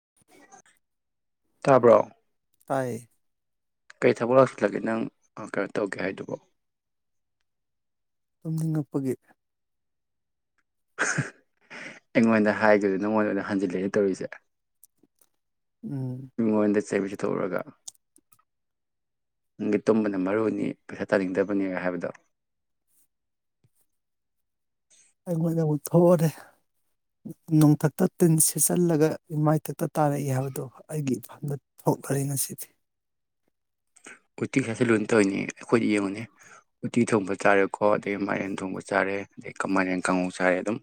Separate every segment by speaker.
Speaker 1: [inaudible] [inaudible]
Speaker 2: ꯇꯥꯕ꯭ꯔꯣ
Speaker 1: ꯇꯥꯏꯌꯦ
Speaker 2: ꯀꯩ ꯊꯕꯛ ꯂꯧꯁꯤꯜꯂꯒꯦ ꯅꯪ ꯑ ꯀꯩꯅꯣ ꯇꯧꯒꯦ ꯍꯥꯏꯗꯨꯕꯣ
Speaker 1: ꯇꯨꯝꯅꯤꯡꯉꯛꯄꯒꯤ
Speaker 2: ꯍꯥ ꯑꯩꯉꯣꯟꯗ ꯍꯥꯏꯗꯣꯏꯗꯣ ꯅꯪꯉꯣꯟꯗ ꯑꯣꯏꯅ ꯍꯟꯖꯤꯜꯂꯛꯑꯦ ꯇꯧꯔꯤꯁꯦ
Speaker 1: ꯎꯝ
Speaker 2: ꯆꯩꯕꯨ ꯆꯩꯊꯣꯛꯎꯔꯒ ꯅꯪꯗꯤ ꯇꯨꯝꯕꯅ ꯃꯔꯨꯅꯤ ꯄꯩꯁꯥ ꯇꯥꯅꯤꯡꯗꯕꯅꯦ ꯍꯥꯏꯕꯗꯣ
Speaker 1: ꯑꯩꯉꯣꯟꯗ ꯑꯃꯨꯛ ꯊꯣꯛꯑꯣꯅꯦ ꯅꯣꯡꯊꯛꯇ ꯇꯤꯟ ꯁꯤꯠꯆꯜꯂꯒ ꯏꯃꯥꯏꯊꯛꯇ ꯇꯥꯔꯛꯏ ꯍꯥꯏꯕꯗꯣ ꯑꯩꯒꯤ ꯍꯟꯗꯛ ꯏꯐꯝꯗ ꯊꯣꯛꯔꯔꯦ ꯉꯁꯤꯗꯤ
Speaker 2: ꯎꯇꯤ ꯁꯥꯁꯤꯂꯨꯏ ꯇꯧꯔꯤꯅꯤ ꯑꯩꯈꯣꯏꯗꯤ ꯌꯦꯡꯉꯨꯅꯦ ꯎꯇꯤ ꯊꯣꯡꯕ ꯆꯥꯔꯦꯀꯣ ꯑꯗꯩ ꯃꯥꯏꯔꯦꯟ ꯊꯣꯡꯕ ꯆꯥꯔꯦ ꯑꯗꯩ ꯀ ꯃꯥꯏꯔꯦꯟ ꯀꯥꯡꯍꯧ ꯆꯥꯔꯦ ꯑꯗꯨꯝ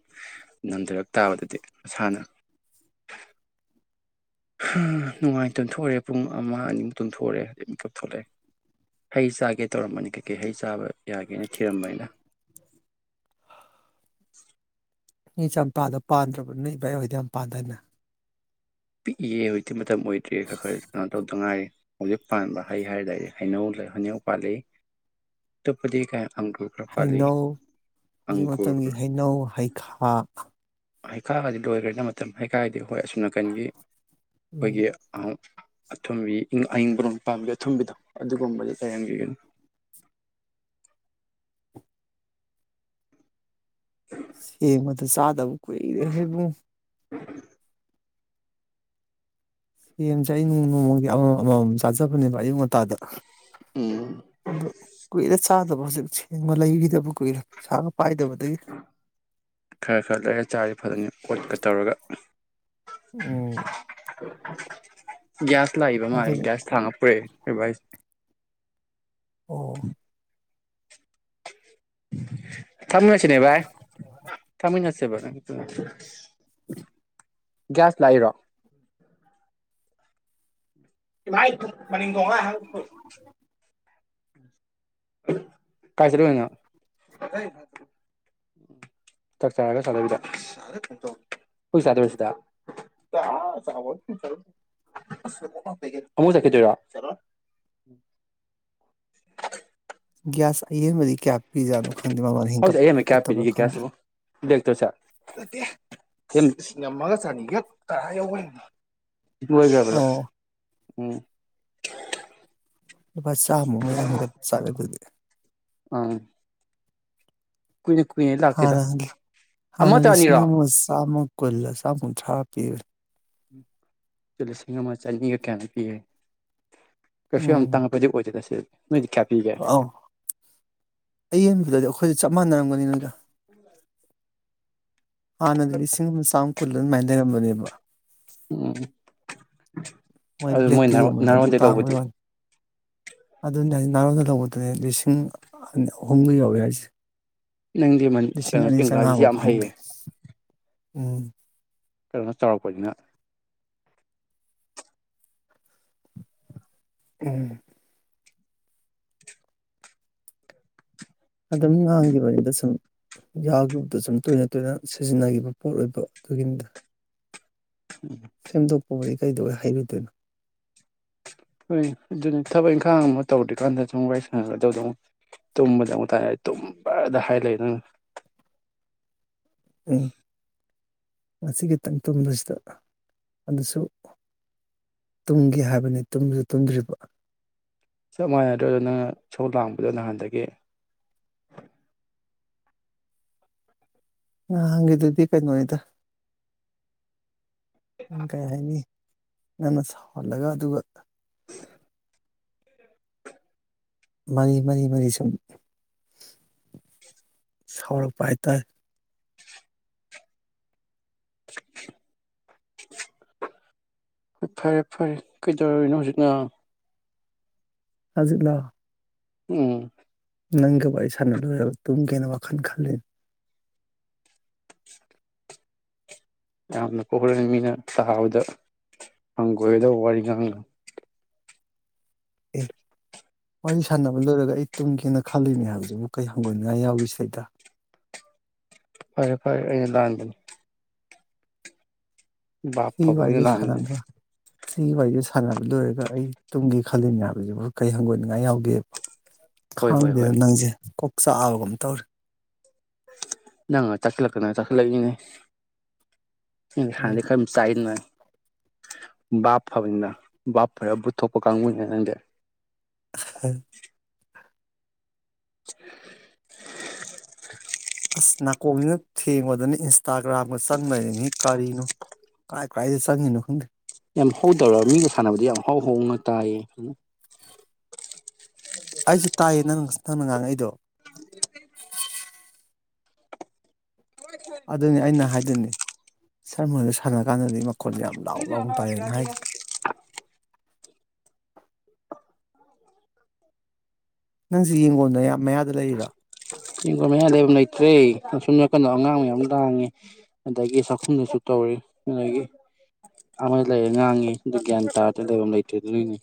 Speaker 2: ꯅꯟꯊꯔꯛ ꯇꯥꯕꯗꯨꯗꯤ ꯃꯁꯥꯅ ꯍꯥ ꯅꯨꯡꯉꯥꯏ ꯇꯨꯝꯊꯣꯛꯎ꯭ꯔꯦ ꯄꯨꯡ ꯑꯃ ꯑꯅꯤꯃꯨꯛ ꯇꯨꯝꯊꯣꯛꯎꯔꯦ ꯗꯩ ꯃꯤꯀꯞ ꯊꯣꯛꯂꯛꯑꯦ ꯍꯩ ꯆꯥꯒꯦ ꯇꯧꯔꯝꯕꯅꯤ ꯀꯩꯀꯩ ꯍꯩ ꯆꯥꯕ ꯌꯥꯒꯦꯅ ꯊꯤꯔꯝꯕꯅꯤꯗ
Speaker 1: ꯅꯣꯏ ꯆꯝꯄꯥꯗ ꯄꯥꯟꯗ꯭ꯔꯕ ꯅꯣꯏ ꯏꯚꯥꯏ ꯍꯣꯏꯗꯤ ꯌꯥꯝ ꯄꯥꯟꯗꯥꯏꯅꯦ
Speaker 2: ꯄꯤꯛꯏꯌꯦ ꯍꯧꯖꯤꯛꯇꯤ ꯃꯠ ꯃꯇꯝ ꯑꯣꯏꯗ꯭ꯔꯦ ꯈꯔ ꯈꯔ ꯀꯩꯅꯣ ꯇꯧꯗꯉꯥꯏꯔꯤ ꯍꯧꯖꯤꯛ ꯄꯥꯟꯕ ꯍꯩ ꯍꯥꯏꯒꯗꯤ ꯍꯩꯅꯧ ꯂꯩ ꯍꯩꯅꯧ ꯄꯥꯜꯂꯤ ꯑꯇꯣꯞꯄꯗꯤ ꯀꯩꯝ
Speaker 1: ꯍꯩꯅꯧ ꯍꯧꯖꯤꯛ
Speaker 2: ꯑꯪꯒꯨꯔ
Speaker 1: ꯃꯇꯝꯒꯤ ꯍꯩꯅꯧ ꯍꯩꯈꯥ
Speaker 2: ꯍꯩꯈꯥꯒꯗꯤ ꯂꯣꯏꯈ꯭ꯔꯦꯗ ꯃꯇꯝ ꯍꯩꯈꯥꯏꯗꯣ ꯍꯣꯏ ꯑꯁꯨꯝ ꯅꯥꯀꯟꯒꯤ
Speaker 1: ꯎꯝ
Speaker 2: ꯑꯩꯈꯣꯏꯒꯤ ꯑꯍ ꯑꯊꯨꯝꯕꯤ ꯏꯪ ꯑꯏꯪꯕꯔꯣꯝ ꯄꯥꯝꯕꯤ ꯑꯊꯨꯝꯕꯤꯗꯣ ꯑꯗꯨꯒꯨꯝꯕꯗꯤ ꯂꯩꯔꯝꯒꯤꯒꯅꯤ
Speaker 1: ꯁꯦꯃꯒꯗꯣ ꯆꯥꯗꯕ ꯀꯨꯏꯔꯦ ꯍꯦ ꯕꯨꯡ
Speaker 2: [inaudible]
Speaker 1: ꯌꯦꯟꯖꯦ ꯑꯩ ꯅꯣꯡꯃ ꯅꯣꯡꯃꯒꯤ ꯑꯃꯃꯝ ꯑꯃꯃꯝ ꯆꯥꯖꯕꯅꯦꯕ ꯑꯌꯨꯛ ꯉꯟꯇꯥꯗ
Speaker 2: ꯎꯝ
Speaker 1: ꯑꯗꯣ ꯀꯨꯏꯔꯦ ꯆꯥ ꯆꯥꯗꯕ ꯍꯧꯖꯤꯛ ꯁꯦꯝꯒ ꯂꯩꯈꯤꯗꯕ ꯀꯨꯏꯔꯦ ꯄꯩꯁꯥꯒ ꯄꯥꯏꯗꯕꯗꯒꯤ
Speaker 2: ꯈꯔ ꯈꯔ ꯂꯩꯔ ꯆꯥꯔ ꯐꯗꯣꯏꯅꯦ ꯑꯣꯠꯀ ꯇꯧꯔꯒ
Speaker 1: ꯎꯝ
Speaker 2: [inaudible] ꯒ꯭ꯌꯥꯁ ꯂꯥꯛꯏꯕ ꯃꯥꯥꯜꯂꯦ
Speaker 1: ꯑꯗꯨꯅꯤ
Speaker 2: ꯒ꯭ꯌꯥꯁ ꯊꯥꯡꯉ ꯄꯨꯔꯛꯑꯦ [unintelligible]
Speaker 1: ꯑꯣꯍꯣ
Speaker 2: [inaudible] [unintelligible] ꯕ ꯒ꯭ꯌꯥꯁ ꯂꯥꯛꯏꯔꯣ [unintelligible] [unintelligible] ꯀꯥꯏ ꯆꯠꯂꯨꯏꯅꯣ ꯅꯪ ꯆꯥꯛ ꯆꯔꯥꯒ ꯆꯗꯕꯤꯗ ꯍꯧꯖꯤꯛ ꯆꯥꯗꯧꯔꯤꯔꯥ ꯁꯤꯗ [unintelligible] ꯑꯃꯨꯛ ꯆꯠꯈꯤꯗꯣꯏꯔꯣ
Speaker 1: ꯒꯤꯌꯥꯁ ꯑꯌꯦꯟ ꯕ ꯁꯦ ꯀꯌꯥ ꯄꯤꯖꯥꯠꯅꯣ ꯈꯪꯗꯦ ꯃꯃꯜ ꯍꯦꯟꯀꯠ
Speaker 2: ꯍꯧꯖꯤꯛ ꯑꯌꯦꯟꯕ ꯀꯌꯥ
Speaker 1: ꯍꯦꯟꯀꯠꯇꯕ꯭ꯔꯥ
Speaker 2: ꯄꯤꯔꯤꯒꯦ ꯒꯤꯌꯥꯁ
Speaker 1: ꯈꯪꯗꯦ
Speaker 2: ꯁꯤꯕꯨ ꯕ꯭ꯂꯦꯛꯇꯔꯣ ꯁꯦ ꯅꯠꯇꯦ ꯁꯤꯡ ꯑꯃ ꯂꯤꯁꯤꯡ ꯑꯃꯒ ꯆꯅꯤ ꯈꯛꯇ ꯍꯥꯢꯍꯧꯕꯅꯤ ꯂꯣꯢꯒ꯭ꯔꯥꯕꯔꯥ
Speaker 1: ꯑꯣ
Speaker 2: ꯎꯝ
Speaker 1: ꯂꯨꯄꯥ ꯆꯥꯝꯃꯨꯛ ꯃꯌꯥ ꯍꯦꯟꯒꯠꯆꯂꯥ ꯑꯗꯨꯗꯤ
Speaker 2: ꯑꯥ
Speaker 1: ꯍꯥꯟꯅ ꯍꯪꯒꯦ ꯍꯥꯟꯅ
Speaker 2: ꯑꯃꯇ
Speaker 1: ꯂꯤꯁꯤꯡ
Speaker 2: ꯑꯅꯤꯔꯣ
Speaker 1: ꯑꯃꯒ ꯆꯥꯝꯃ ꯀꯨꯜꯂ ꯆꯥꯝꯃ ꯀꯨꯟꯊ꯭ꯔꯥ ꯄꯤꯕꯅꯤ
Speaker 2: ꯗꯣ ꯂꯤꯁꯤꯡ ꯑꯃꯥꯒ ꯆꯅꯤꯒ ꯀꯌꯥꯅꯣꯝ ꯄꯤ ꯍꯥꯏ ꯀꯩꯁꯨ ꯌꯥꯝ
Speaker 1: ꯎꯝ
Speaker 2: ꯇꯥꯡꯈꯠꯄꯗꯤ ꯑꯣꯢꯗꯦꯗ ꯁꯤꯗ
Speaker 1: ꯑꯧ ꯑꯌꯦꯡꯕꯗꯗꯤ ꯑꯩꯈꯣꯏꯁꯨ ꯆꯞ ꯃꯥꯟꯅꯔꯝꯒꯅꯤ ꯅꯣꯏꯒ ꯍꯥꯟꯅꯗꯤ ꯂꯤꯁꯤꯡ ꯑꯃ ꯆꯥꯝꯃ ꯀꯨꯜꯂ ꯑꯗꯨ ꯃꯥꯏꯅ ꯂꯩꯔꯝꯕꯅꯦꯕ
Speaker 2: ꯎꯝ ꯑꯗꯨ ꯃꯣꯏ ꯅꯍꯥꯔꯣꯟꯗꯩ ꯂꯧꯕꯗꯤ
Speaker 1: ꯑꯗꯨꯅꯦ ꯑꯩ ꯅꯔꯣꯟꯗ ꯇꯧꯕꯗꯨꯅꯦ ꯂꯤꯁꯤꯡ ꯑ ꯑꯍꯨꯝꯒ ꯌꯧꯔꯦ ꯍꯥꯏꯁꯦ
Speaker 2: ꯅꯪꯗꯤ ꯃꯥꯅꯤ
Speaker 1: ꯂꯤꯁꯤꯡ
Speaker 2: ꯑꯥ
Speaker 1: ꯑꯅꯤ
Speaker 2: ꯏꯪꯒꯔꯥꯖꯤꯖꯦ
Speaker 1: ꯆꯥꯝꯃꯉꯥꯃꯨꯛ
Speaker 2: ꯌꯥꯝ
Speaker 1: ꯐꯪꯗꯦ
Speaker 2: ꯍꯩꯕꯅꯦ
Speaker 1: ꯎꯝ
Speaker 2: ꯀꯩꯅꯣ ꯇꯧꯔꯛꯄꯅꯤꯅ
Speaker 1: ꯎꯝ ꯑꯗꯨꯝ ꯉꯥꯡꯈꯤꯕꯅꯤꯗ ꯁꯨꯝ ꯌꯥ ꯒ꯭ꯔꯨꯞꯇ ꯁꯨꯝ ꯇꯣꯏꯅ ꯇꯣꯏꯅ ꯁꯤꯖꯤꯟꯅꯈꯤꯕ ꯄꯣꯠ ꯑꯣꯏꯕ ꯑꯗꯨꯒꯤꯅꯤꯗ
Speaker 2: ꯎꯝ
Speaker 1: ꯁꯦꯝꯗꯣꯛꯄꯕꯨꯗꯤ ꯀꯩꯗꯧꯕꯩ ꯍꯩꯔꯣꯏꯗꯣꯏꯅꯣ
Speaker 2: ꯍꯣꯏ ꯑꯗꯨꯅꯤ ꯊꯕꯛ ꯏꯪꯈꯥꯡ ꯑꯃ ꯇꯧꯗ꯭ꯔꯤꯀꯥꯟꯗ ꯁꯨꯝ ꯋꯥꯔꯤ ꯁꯥꯟꯅꯒꯗꯧꯗꯣ ꯑꯃꯨꯛ ꯇꯨꯝꯕꯗ ꯑꯃꯨꯛ ꯇꯥꯢ ꯇꯨꯝꯕꯗ ꯍꯥꯏ ꯂꯩ ꯅꯪꯅ
Speaker 1: ꯎꯝ ꯉꯁꯤ ꯈꯤꯇꯪ ꯇꯨꯝꯕꯁꯤꯗ ꯑꯗꯨꯁꯨ ꯇꯨꯝꯒꯦ ꯍꯥꯏꯕꯅꯤ ꯇꯨꯝꯁꯨ ꯇꯨꯝꯗ꯭ꯔꯤꯕ
Speaker 2: ꯆꯞ ꯃꯥꯟꯅꯗ꯭ꯔ ꯑꯗꯣ ꯅꯪꯅ ꯏꯁꯧ ꯂꯥꯡꯕꯗꯣ ꯅꯍꯥꯟꯗꯒꯤ
Speaker 1: ꯉꯍꯥꯟꯒꯤꯗꯨꯗꯤ ꯀꯩꯅꯣꯅꯤꯗ ꯑꯪ ꯀꯩ ꯍꯥꯏꯅꯤ ꯅꯪꯅ ꯁꯥꯎꯍꯜꯂꯒ ꯑꯗꯨꯒ ꯃꯔꯤ ꯃꯔꯤ ꯃꯔꯤ ꯁꯨꯝ ꯁꯥꯎꯔꯛꯄ ꯍꯥꯏꯇꯥꯔꯦ
Speaker 2: ꯍꯣꯏ ꯐꯔꯦ ꯐꯔꯦ ꯀꯩꯗꯧꯔꯤꯅꯣ ꯍꯧꯖꯤꯛꯅ
Speaker 1: ꯍꯧꯖꯤꯛ ꯂꯣ
Speaker 2: ꯎꯝ
Speaker 1: ꯅꯪꯒ ꯋꯥꯔꯤ ꯁꯥꯟꯅꯗꯕ ꯌꯥꯕ ꯇꯨꯝꯒꯦꯅ ꯋꯥꯈꯜ ꯈꯜꯂꯤ
Speaker 2: ꯌꯥꯝꯅ ꯀꯣ ꯍꯣꯔꯦꯟ ꯃꯤꯅ ꯇꯥꯕꯗ ꯍꯪꯒꯣꯏꯒꯗꯕ ꯋꯥꯔꯤ ꯉꯥꯡꯅꯨ
Speaker 1: ꯑꯦ ꯋꯥꯔꯤ ꯁꯥꯟꯅꯕ ꯂꯣꯏꯔꯒ ꯑꯩ ꯇꯨꯝꯒꯦꯅ ꯈꯜꯂꯤꯅꯦ ꯍꯥꯏꯕꯁꯤꯕꯨ ꯀꯩ ꯍꯪꯒꯣꯏꯅꯤꯡꯉꯥꯏ ꯌꯥꯎꯒꯦ ꯁꯤꯗꯩꯗ
Speaker 2: ꯐꯔꯦ ꯐꯔꯦ ꯑꯩꯅ ꯂꯥꯟꯕꯅꯤ ꯚꯥꯞ
Speaker 1: ꯁꯤꯒꯤ
Speaker 2: ꯐꯕ ꯑꯩꯅ
Speaker 1: ꯋꯥꯔꯤꯁꯦ
Speaker 2: ꯂꯥꯟꯕꯅꯤ
Speaker 1: ꯁꯥꯟꯅꯕ ꯁꯤꯒꯤ ꯋꯥꯔꯤꯁꯦ ꯁꯥꯟꯅꯕ ꯂꯣꯏꯔꯒ ꯑꯩ ꯇꯨꯡꯒꯤ ꯈꯜꯂꯤꯅꯤ ꯍꯥꯏꯕꯁꯤꯕꯨ ꯀꯔꯤ ꯍꯪꯒꯣꯏꯅꯤꯡꯉꯥꯏ ꯌꯥꯎꯒꯦꯕ
Speaker 2: ꯍꯣꯏ ꯍꯣꯏ
Speaker 1: ꯈꯥꯡꯗꯦꯗ
Speaker 2: ꯍꯣꯏ
Speaker 1: ꯅꯪꯁꯦ ꯀꯣꯛ ꯆꯥꯍꯕꯒꯨꯝ ꯇꯧꯔꯦ
Speaker 2: ꯅꯪꯅ ꯆꯠꯈꯔꯥꯀꯥꯅꯥ ꯆꯈꯠꯂꯏꯅꯤꯅꯦ ꯑꯩ
Speaker 1: ꯎꯝ
Speaker 2: ꯍꯥꯟꯅꯗꯩꯩ ꯈꯔꯃꯨ ꯆꯥꯏꯌꯦꯅ ꯚꯥꯞ ꯐꯕꯅꯤꯅ ꯚꯥꯞ ꯐꯔꯕꯨꯊꯣꯛꯄ ꯀꯥꯡꯕꯨꯅꯦ ꯅꯪꯗꯤ
Speaker 1: ꯑ ꯍ
Speaker 2: [inaudible]
Speaker 1: ꯑꯁ ꯅꯥꯀꯣꯡꯁꯤꯅ ꯊꯦꯡꯕꯗꯅ ꯏꯟꯁꯇꯥꯒ꯭ꯔꯥꯝꯒ ꯆꯪꯅꯩꯔꯅꯤ ꯀꯔꯤꯅꯣ ꯀꯥꯏ ꯀꯥꯢꯗ ꯆꯪꯉꯤꯅꯣ ꯈꯪꯗꯦ
Speaker 2: ꯌꯥꯝ ꯍꯧꯗꯧꯔ ꯃꯤꯒ ꯁꯥꯟꯅꯕꯗꯤ ꯌꯥꯝ ꯍꯧ ꯍꯧꯅ ꯇꯥꯏꯌꯦ
Speaker 1: ꯑꯩꯁꯨ ꯇꯥꯏꯌꯦ ꯅꯪ ꯅꯪꯅ ꯉꯥꯡꯉꯛꯏꯗꯣ ꯑꯗꯨꯅꯤ ꯑꯩꯅ ꯍꯥꯏꯗꯨꯅꯤ ꯁꯔ ꯃꯗ ꯁꯥꯟꯅ ꯀꯥꯟꯗꯗꯤ ꯃꯈꯣꯟ ꯌꯥꯝ ꯂꯥꯎꯌꯦ ꯂꯥꯎꯅ ꯇꯥꯏꯌꯦꯅ ꯍꯥꯏꯗꯣ
Speaker 2: ꯑꯥ
Speaker 1: ꯅꯪꯁꯨ ꯌꯦꯡꯒꯣꯗ ꯌꯥꯝ ꯃꯌꯥꯗ ꯂꯩꯔꯤꯗꯣ
Speaker 2: ꯐꯔꯦ ꯑꯁꯨꯝ ꯅꯥꯀꯟꯗ ꯑꯉꯥꯡ ꯃꯌꯥꯝ ꯂꯥꯡꯉꯤ ꯑꯗꯒꯤ ꯆꯥꯛꯈꯨꯝꯗꯨꯁꯨ ꯇꯧꯔꯤ ꯑꯗꯒꯤ ꯑꯃꯗ ꯂꯩꯔꯦ ꯉꯥꯡꯉꯤ ꯑꯗꯨ ꯒ꯭ꯌꯥꯟ ꯇꯥꯔꯗꯔꯦ ꯂꯩꯐꯝ ꯂꯩꯇ꯭ꯔꯦ ꯑꯗꯨꯒꯤꯅꯦ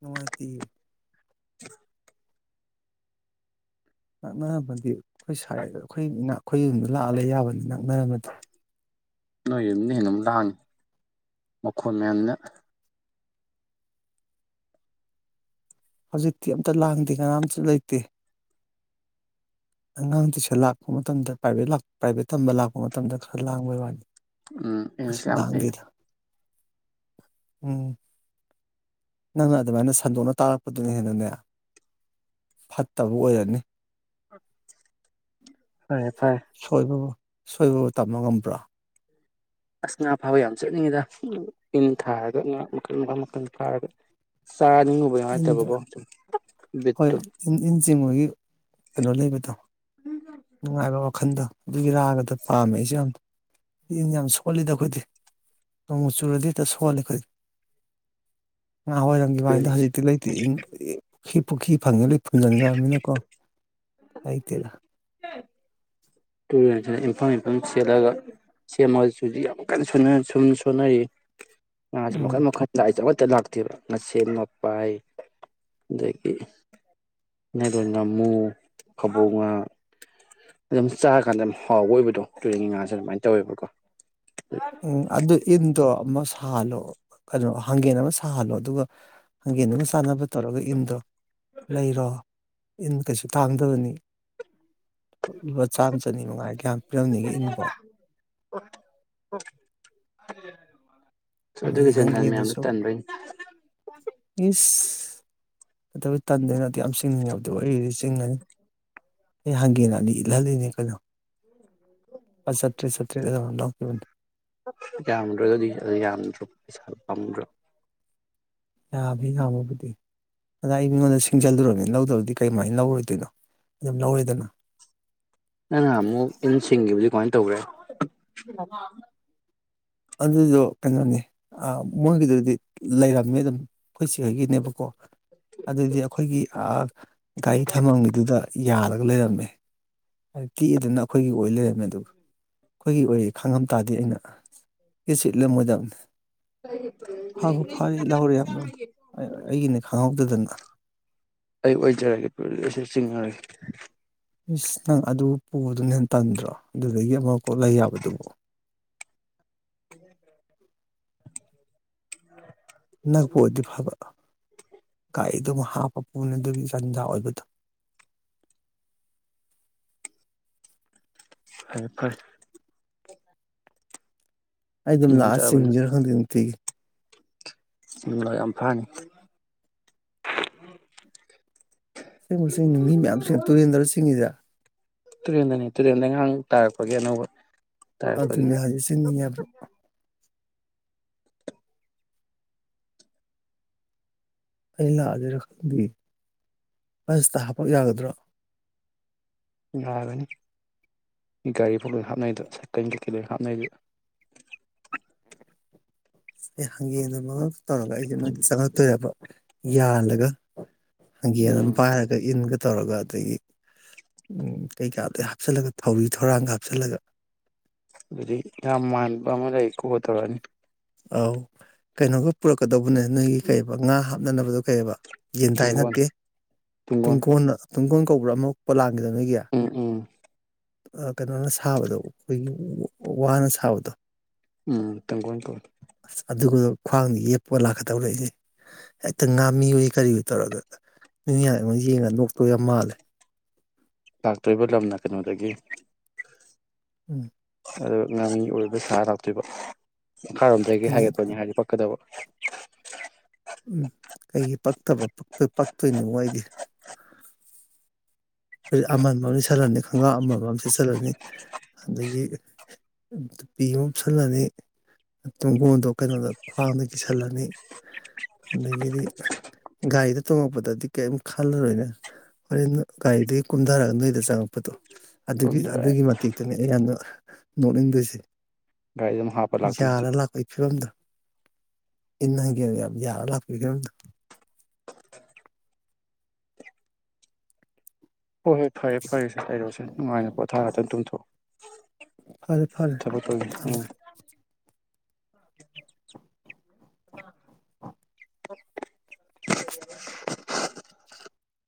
Speaker 1: ꯅꯨꯉꯥꯏꯇꯤꯌꯦ
Speaker 2: [inaudible]
Speaker 1: ꯅꯛꯅꯔꯝꯃꯗꯤ ꯑꯩꯈꯣꯏ ꯁꯥꯢꯗ ꯑꯩꯈꯣꯏ ꯏꯅꯥꯛ ꯑꯩꯈꯣꯏ ꯌꯨꯝꯗ ꯂꯥꯛꯑꯒ ꯂꯩꯕ ꯌꯥꯕꯅꯤ ꯅꯛꯅꯔꯝꯃꯗꯤ
Speaker 2: ꯅꯣꯏ ꯌꯨꯝꯅ ꯍꯦꯜꯅ ꯂꯥꯡꯉꯤ ꯃꯈꯣꯟ ꯃꯌꯥꯝꯅ
Speaker 1: ꯍꯧꯖꯤꯛꯇꯤ ꯑꯝꯇ ꯂꯥꯡꯗꯦ ꯀꯅꯥꯝꯁꯨ ꯂꯩꯇꯦ ꯑꯉꯥꯡ ꯇꯌꯨꯁꯟ ꯂꯥꯛꯄ ꯃꯇꯝꯗ ꯄ꯭ꯔꯥꯏꯚꯦꯠ ꯂꯥꯛ ꯄ꯭ꯔꯥꯏꯚꯦꯠ ꯇꯝꯕ ꯂꯥꯛꯄ ꯃꯇꯝꯗ ꯈꯔ ꯂꯥꯡꯕꯩ ꯋꯥꯅꯤ
Speaker 2: ꯎꯝ ꯏꯪꯂꯤꯁ
Speaker 1: ꯀꯩꯁꯨ
Speaker 2: ꯌꯥꯝ ꯍꯩꯌꯦ
Speaker 1: ꯂꯥꯡꯗꯦꯗ ꯎꯝ ꯅꯪꯅ ꯑꯗꯨꯃꯥꯏꯅ ꯁꯟꯗꯣꯛꯅ ꯇꯥ ꯗꯨꯅ ꯍꯦꯟꯅꯅꯦ ꯐꯠꯇꯕ ꯑꯣꯏꯔꯅꯤ [inaudible]
Speaker 2: ꯐꯔꯦ ꯐꯔꯦ
Speaker 1: ꯁꯣꯏꯕꯕꯨ ꯁꯣꯏꯕꯕꯨ ꯇꯝꯕ ꯉꯝꯕ꯭ꯔꯣ
Speaker 2: ꯑꯁ ꯉꯥ ꯐꯥꯕ ꯌꯥꯝ ꯆꯠꯅꯤꯡꯉꯤꯗ ꯏꯟ ꯊꯥꯔꯒ ꯉꯥ ꯃꯈꯜ ꯃꯈꯥ ꯃꯈꯜ ꯐꯥꯔꯒ ꯆꯥꯔꯗꯤ ꯅꯧꯕ ꯌꯥꯎꯔ ꯅꯨꯡꯉꯥꯢꯇꯕ
Speaker 1: ꯏꯟꯗ
Speaker 2: ꯀꯣ
Speaker 1: ꯍꯣꯏ ꯏꯟ ꯏꯟ ꯖꯤꯝꯍꯣꯏꯒꯤ ꯀꯩꯅꯣ ꯂꯩꯕꯗꯣ ꯅꯨꯡꯉꯥꯏꯕ ꯋꯥꯈꯜꯗꯣ ꯑꯗꯨꯒꯤ ꯔꯥꯒꯗ ꯄꯥꯝꯃꯦ ꯑꯩꯁꯨ ꯌꯥꯝ ꯏꯟ ꯌꯥꯝ ꯁꯣꯜꯂꯤꯗ ꯑꯩꯈꯣꯏꯗꯤ ꯅꯣꯡꯕꯨ ꯆꯨꯔꯗꯤ ꯍꯦꯛꯇ ꯁꯣꯜꯂꯤ ꯑꯩꯈꯣꯏꯗꯤ ꯅꯋꯥꯢꯔꯝꯒꯤ ꯂꯥꯢꯟꯗ ꯍꯥꯖꯤꯛꯇꯤ ꯂꯩꯇꯤꯌꯦ ꯏ ꯑ ꯍꯦꯛ ꯄꯨꯈꯤ ꯐꯪꯉꯦ ꯐꯨꯖꯟꯈ꯭ꯔꯑꯕꯃꯤꯅꯀꯣ ꯂꯩꯥꯇꯦꯗ
Speaker 2: ꯇꯨꯔꯦꯟꯁꯤꯗ ꯏꯝꯐꯝ ꯏꯝꯐꯝꯜ ꯁꯦꯠꯂꯒ ꯁꯦꯝꯃꯒꯁꯨ ꯌꯥꯝ ꯀꯟꯅ ꯁꯨꯝ ꯁꯣꯅꯔꯤ ꯑ ꯃ
Speaker 1: ꯎꯝ
Speaker 2: ꯃꯈ ꯈ ꯆ [unintelligible] ꯍꯦꯛꯇ ꯂꯥꯛꯇꯦꯕ ꯉꯁꯦꯞ ꯉꯄꯥꯏ ꯑꯗꯒꯤ ꯅꯩꯅꯣꯟ ꯉꯥꯃꯨ ꯒꯕꯧ ꯉꯥ ꯑꯗꯨꯝ ꯆꯥꯔ ꯀꯥꯟꯗ ꯍꯥꯎꯕ ꯑꯣꯏꯕꯗꯣ ꯇꯨꯔꯦꯟꯒꯤ ꯉꯥꯁꯦ ꯑꯗꯨꯃꯥꯏꯅ ꯇꯧꯋꯦꯕꯀꯣ
Speaker 1: ꯎꯝ ꯑꯗꯨ ꯏ ꯗꯣ ꯁꯥꯍꯜꯂꯣ ꯑꯗꯣ ꯍꯥꯡꯒꯦꯟ ꯑꯃ ꯁꯥꯍꯜꯂꯣ ꯑꯗꯨꯒ ꯍꯪꯒꯦꯟꯗꯨꯒ ꯆꯥꯟꯅꯕ ꯇꯧꯔꯒ ꯏꯟꯗꯣ ꯂꯩꯔꯣ ꯏꯟ ꯀꯩꯁꯨ ꯇꯥꯡꯗꯕꯅꯤ ꯂꯨꯄꯥ ꯆꯥꯝꯃ ꯆꯅꯤ ꯃꯉꯥ ꯀꯌꯥ ꯄꯤꯔꯝꯅꯤꯒꯦ ꯏꯟꯕꯣ
Speaker 2: ꯑꯣ ꯑꯣ
Speaker 1: ꯑꯗꯩ ꯍꯪꯒꯦꯗꯨꯁꯨ ꯏꯁ ꯀꯩꯗꯧ ꯇꯟꯗꯣꯏꯅꯣ ꯑꯗꯨꯛ ꯌꯥꯝ ꯆꯤꯡꯅꯤꯡꯉꯕꯗꯨꯕꯣ ꯑꯩ ꯑꯣꯏꯗꯤ ꯆꯤꯡꯉꯅꯤ ꯑꯩ ꯍꯪꯒꯦꯟ ꯑꯅꯤ ꯏꯠꯍꯟꯂꯤꯅꯦ ꯀꯩꯅꯣ ꯆꯠꯇ꯭ꯔꯦꯠ ꯆꯠꯇ꯭ꯔꯦꯠ ꯑꯗ ꯂꯧꯈꯤꯕꯅꯦ
Speaker 2: ꯌꯥꯝꯗ꯭ꯔꯣ ꯑꯗꯨꯗꯤ ꯌꯥꯝꯗ꯭ꯔꯣ ꯄꯩꯁꯥ ꯄꯥꯝꯃꯨꯗ꯭ꯔꯣ
Speaker 1: ꯌꯥꯕ ꯌꯥꯝꯕꯕꯨꯗꯤ ꯑꯗ ꯑꯩ ꯃꯤꯉꯣꯟꯗ ꯁꯤꯡꯖꯜꯂꯨꯔꯕꯅꯤꯅ ꯂꯧꯗꯕꯗꯤ ꯀꯩꯃꯥꯏꯅ ꯂꯧꯔꯣꯏꯗꯣꯏꯅꯣ ꯑꯗꯨꯝ ꯂꯧꯔꯦꯗꯅ
Speaker 2: ꯇꯧꯔꯦ
Speaker 1: ꯑꯗꯨꯗꯣ ꯀꯩꯅꯣꯅꯤ ꯑꯥ ꯃꯣꯏꯒꯤꯗꯨꯗꯤ ꯂꯩꯔꯝꯃꯦ ꯑꯗꯨꯝ ꯑꯩꯈꯣꯏ ꯆꯦ ꯍꯣꯏꯒꯤꯅꯦꯕꯀꯣ ꯑꯗꯨꯗꯤ ꯑꯩꯈꯣꯏꯒꯤ ꯑꯥ ꯒꯥꯔꯤ ꯊꯝꯃꯝꯃꯤꯗꯨꯗ ꯌꯥꯔꯒ ꯂꯩꯔꯝꯃꯦ ꯇꯦꯛꯏꯗꯨꯅ ꯑꯩꯈꯣꯏꯒꯤ ꯑꯣꯏ ꯂꯩꯔꯝꯃꯦ ꯑꯗꯨ ꯑꯩꯈꯣꯏꯒꯤ ꯑꯣꯏ ꯈꯥꯡꯉꯝ ꯇꯥꯔꯗꯤ ꯑꯩꯅ ꯏꯁꯤꯠꯂꯝꯃꯣꯏꯗꯕꯅꯤ
Speaker 2: [unintelligible] ꯑꯩ
Speaker 1: ꯌꯥꯝꯅ ꯑꯩꯒꯤꯅꯦ ꯈꯪꯍꯧꯗꯗꯅ
Speaker 2: ꯑꯣꯏꯖꯔꯒꯦ ꯑꯩ ꯆꯤꯡꯅꯔꯒꯦ
Speaker 1: ꯏꯁꯁ ꯅꯪ ꯑꯗꯨ ꯄꯨꯕꯗꯨꯅ ꯍꯦꯟ ꯇꯟꯗ꯭ꯔꯣ ꯑꯗꯨꯗꯒꯤ ꯑꯃ ꯀꯣꯛ ꯂꯩ ꯌꯥꯕꯗꯨꯕꯨ
Speaker 2: ꯎ [inaudible]
Speaker 1: ꯅꯛꯄ ꯑꯣꯏꯗꯤ ꯐꯕ ꯒꯥꯔꯤꯗꯨ ꯑꯃꯛ ꯍꯥꯞꯄ ꯄꯨꯅꯦ ꯑꯗꯨꯒꯤ ꯆꯟꯖꯥ ꯑꯣꯏꯕꯗꯣ
Speaker 2: ꯐꯔꯦ ꯐꯔꯦ
Speaker 1: ꯑꯩ ꯑꯗꯨꯝ
Speaker 2: ꯅꯣꯡ
Speaker 1: ꯂꯥꯛꯑꯒ
Speaker 2: ꯇꯥꯕꯅꯤꯅ
Speaker 1: ꯆꯤꯡꯖꯤꯔ ꯈꯪꯗꯦ ꯅꯨꯡꯇꯤꯒꯤ
Speaker 2: ꯎ ꯌꯥꯝ ꯐꯅꯤ
Speaker 1: ꯑꯁꯦꯡꯕ ꯆꯤꯡꯅꯤꯡꯏ ꯃꯤ ꯃꯌꯥꯝꯁꯦ ꯇꯨꯔꯦꯟꯗꯥꯔ ꯆꯤꯡꯉꯤꯁꯦ
Speaker 2: ꯇꯨꯔꯦꯟꯗꯅꯤ ꯇꯨꯔꯦꯟ ꯂꯩꯉꯥꯡ ꯇꯥꯔꯛꯄꯒꯤ ꯑꯅꯧꯕ ꯇꯥꯔꯛꯄꯒꯤ
Speaker 1: ꯑꯗꯨꯅꯦ ꯍꯥꯏꯁꯦ ꯆꯤꯡꯅꯤꯡꯉꯦ ꯍꯥꯏꯕ ꯑꯩ ꯂꯥꯛꯑꯖꯤꯔ ꯈꯪꯗꯤꯌꯦ ꯕꯁꯇ ꯍꯥꯞꯄꯛ ꯌꯥꯒꯗ꯭ꯔꯥ
Speaker 2: ꯌꯥꯒꯅꯤ ꯒꯥꯔꯤ ꯐꯥꯎ ꯂꯣꯏ ꯍꯥꯞꯅꯩꯗ ꯁꯥꯏꯀꯜ ꯀꯀꯩ ꯂꯣꯏ ꯍꯥꯞꯅꯩꯗ
Speaker 1: ꯑꯦ ꯍꯪꯒꯦꯅ ꯑꯃꯒ ꯇꯧꯔꯒ ꯑꯩꯁꯦ ꯅꯣꯏ ꯆꯪꯉꯛꯇꯔꯦꯕ ꯌꯥꯜꯂꯒ ꯍꯪꯒꯦꯟ ꯑꯝ
Speaker 2: ꯎꯝ
Speaker 1: ꯄꯥꯏꯔꯒ ꯏꯟꯒ ꯇꯧꯔꯒ ꯑꯗꯒꯤ ꯀꯩꯀꯥꯗꯩ ꯍꯥꯞꯆꯤꯜꯂꯒ ꯊꯧꯔꯤ ꯊꯧꯔꯥꯡꯒ ꯍꯥꯞꯆꯜꯂꯒ
Speaker 2: ꯑꯗꯨꯗꯒꯤ ꯌꯥꯝ ꯃꯥꯟꯕ ꯑꯃ ꯂꯩꯀꯣ ꯇꯧꯔꯛꯑꯅꯤ
Speaker 1: ꯑꯧ ꯀꯩꯅꯣꯒ ꯄꯨꯔꯛꯀꯗꯧꯕꯅꯦ ꯅꯣꯏꯒꯤ ꯀꯩꯑꯦꯕ ꯉꯥ ꯍꯥꯞꯅꯅꯕꯗꯣ ꯀꯩꯕ ꯌꯦꯟꯗꯥꯏ
Speaker 2: ꯇꯨꯡꯒꯣꯟ
Speaker 1: ꯅꯠꯇꯦ ꯇꯨꯡ
Speaker 2: ꯇꯨꯡꯒꯣꯟ
Speaker 1: ꯀꯣꯟꯅ ꯇꯨꯡꯒꯣꯟ ꯀꯧꯕ꯭ꯔ ꯑꯃ ꯄꯣꯂꯥꯡ [unintelligible]
Speaker 2: ꯎꯝ ꯎꯝ
Speaker 1: ꯑꯥ ꯀꯩꯅꯣꯅ ꯁꯥꯕꯗꯣ ꯑꯩꯈꯣꯏꯒꯤ ꯋ ꯋꯥꯅ ꯁꯥꯕꯗꯣ
Speaker 2: ꯎꯝ ꯇꯪꯒꯣꯟ ꯀꯧ
Speaker 1: ꯑꯗꯨꯒ ꯈ꯭ꯋꯥꯡꯗ ꯌꯦꯞꯄ ꯂꯥꯛꯀꯗꯧꯔꯛꯏꯍꯦ ꯍꯦꯛꯇ ꯉꯥꯝꯃꯤꯑꯣꯢ ꯀꯔꯤꯑꯣꯢ ꯇꯧꯔꯒ ꯃꯤꯅꯒ ꯑꯩꯉꯣꯟ ꯌꯦꯡꯉꯒ ꯅꯣꯛꯄ ꯌꯥꯝ ꯃꯥꯜꯂꯦ
Speaker 2: ꯂꯥꯛꯇꯣꯔꯤꯕ ꯂꯝꯅ ꯀꯩꯅꯣꯗꯒꯤ
Speaker 1: ꯎꯝ
Speaker 2: ꯑꯗꯨꯒ ꯉꯥꯃꯤ ꯑꯣꯏꯕ ꯁꯥꯔ ꯂꯥꯛꯇꯣꯏꯕ ꯃꯈꯥꯔꯣꯝꯗꯒꯤ
Speaker 1: ꯎꯝ
Speaker 2: ꯍꯥꯏꯒꯠꯄꯅꯤ ꯍꯥꯏꯗꯤ ꯄꯛꯀꯗꯕ
Speaker 1: ꯎꯝ ꯀꯩꯒꯤ ꯄꯛꯇꯕ ꯄꯛꯇꯣꯏ ꯄꯛꯇꯣꯏꯅꯤꯑꯣ ꯑꯩꯗꯤ ꯔꯤꯠ ꯑꯃꯟꯕ ꯑꯃ ꯂꯤꯠꯁꯜꯂꯅꯤ ꯈꯡꯒ꯭ꯔꯥꯎ ꯑꯃꯟꯕ ꯑꯃ ꯁꯦꯠꯆꯜꯂꯅꯤ ꯑꯗꯒꯤ ꯇꯨꯄꯤ ꯑꯃ ꯎꯞꯁꯜꯂꯅꯤ ꯇꯨꯡꯒꯣꯟꯗꯣ ꯀꯩꯅꯣꯗ ꯈ꯭ꯋꯥꯡꯗ ꯀꯤꯁꯜꯂꯅꯤ ꯑꯗꯒꯤꯗꯤ ꯒꯥꯔꯤꯗ ꯇꯣꯡꯉꯛꯄꯗꯗꯤ ꯀꯩꯝ ꯈꯜꯂꯔꯣꯏꯅꯦ ꯍꯣꯔꯦꯟ ꯒꯥꯔꯤꯗꯒꯤ ꯀꯨꯝꯊꯔꯒ ꯅꯣꯏꯗ ꯆꯪꯉꯛꯄꯗꯣ ꯑꯗꯨꯒꯤ
Speaker 2: ꯑꯗꯨꯗ
Speaker 1: ꯑꯗꯨꯒꯤ ꯃꯇꯦꯛꯇꯨꯅꯤ ꯑꯩ ꯌꯥꯝꯅ ꯅꯣꯛꯅꯤꯡꯗꯣꯏꯁꯦ
Speaker 2: ꯒꯥꯔꯤ ꯑꯗꯨꯝ ꯍꯥꯞꯄ ꯂꯥꯛꯇꯣꯏꯗꯤ
Speaker 1: ꯌꯥꯛꯂ ꯂꯥꯛꯄꯩ ꯐꯤꯕꯝꯗ ꯏꯟꯅ ꯒꯦꯜ ꯌꯥꯝ ꯌꯥꯜꯂ ꯂꯥꯛꯄꯩ ꯐꯤꯔꯝꯗꯣ
Speaker 2: ꯍꯣꯏ ꯍꯣꯏ ꯐꯔꯦ ꯐꯔꯦ ꯁꯦ ꯂꯩꯔꯣꯁꯦ ꯅꯨꯡꯉꯥꯏꯅ ꯄꯣꯊꯥ ꯉꯥꯛꯇ ꯇꯨꯝꯊꯣꯛꯑꯣ
Speaker 1: ꯐꯔꯦ ꯐꯔꯦ
Speaker 2: ꯊꯕꯛ ꯇꯧꯒꯦ ꯎꯝ
Speaker 1: ꯊꯝꯃꯦ
Speaker 2: [inaudible] ꯑꯥ [inaudible]